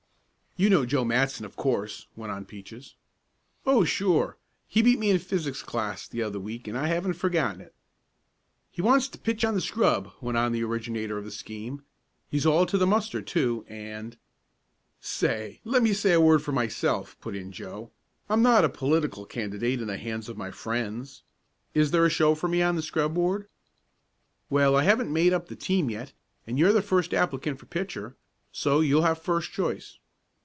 "You know Joe Matson, of course," went on Peaches. "Oh, sure. He beat me in physics class the other week and I haven't forgotten it." "He wants to pitch on the scrub," went on the originator of the scheme. "He's all to the mustard, too, and " "Say, let me say a word for myself," put in Joe. "I'm not a political candidate in the hands of my friends. Is there a show for me on the scrub, Ward?" "Well, I haven't made up the team yet, and you're the first applicant for pitcher, so you'll have first choice."